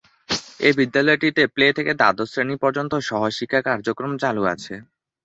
এ বিদ্যালয়টিতে প্লে থেকে দ্বাদশ শ্রেনি পর্যন্ত সহশিক্ষা কার্যক্রম চালু আছে।